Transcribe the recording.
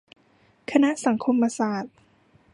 คณะสังคมศาสตร์